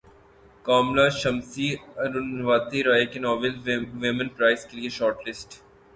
کاملہ شمسی اروندھتی رائے کے novel women prize کیلئے short list